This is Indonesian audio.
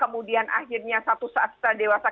kemudian akhirnya satu saat kita dewasa